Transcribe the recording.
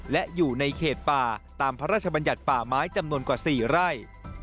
และอยู่ในเขตป่าตามพระราชบัญญัติป่าไม้จำนวนกว่า๔ไร่